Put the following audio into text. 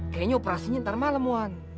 kayaknya operasinya ntar malam wan